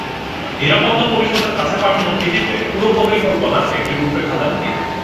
নিরাপত্তা পরিষদের কাছে পাঠানো চিঠিতে পুরো পরিকল্পনার একটি রূপরেখা দেন তিনি।